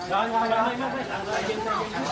ยานะมีอย่าเตี๋ยวไปนะ